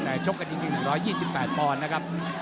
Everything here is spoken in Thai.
แต่ชกกันจริง๑๒๘ปอนด์นะครับ